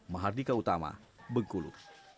mahardika utama bengkulu